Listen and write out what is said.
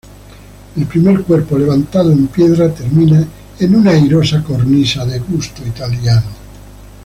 El primer cuerpo levantado en piedra termina en una airosa cornisa de gusto Italiano.